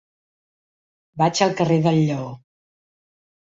Vaig al carrer del Lleó.